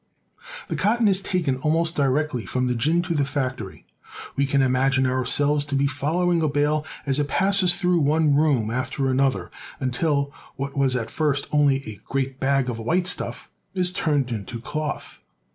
The cotton is taken almost directly from the gin to the factory. We can imagine ourselves to be following a bale as it passes through one room after another, until what was at first only a great bag of white stuff is turned into cloth.